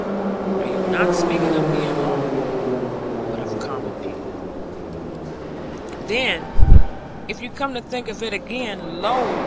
I am not speaking of me and Lorna, but of common people. Then (if you come to think again) lo!